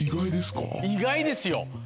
意外ですよ。